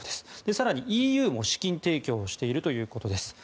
更に、ＥＵも資金提供をしているということです。